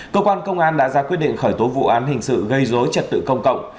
cơ quan công an đã ra quyết định khởi tố vụ án hình sự gây dối trật tự công cộng